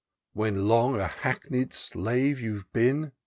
" When long a hackney 'd slave you've been.